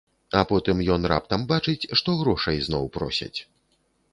А потым ён раптам бачыць, што грошай зноў просяць.